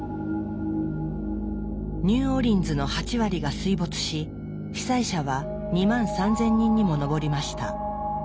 ニューオーリンズの８割が水没し被災者は２万３，０００人にも上りました。